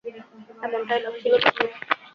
এমনটাই লাগছিল তখন।